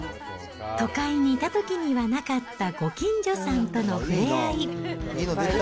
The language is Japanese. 都会にいたときにはなかったご近所さんとのふれあい。